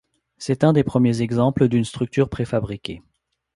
C'est un des premiers exemples d'une structure pré-fabriquée.